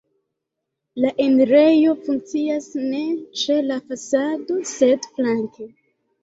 La enirejo funkcias ne ĉe la fasado, sed flanke.